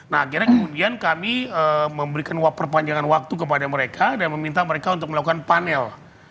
nah akhirnya kemudian kami memberikan perpanjangan waktu kepada mereka dan meminta mereka untuk melakukan panel